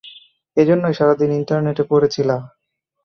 এজন্যই সারাদিন ইন্টারনেটে পড়ে ছিলা।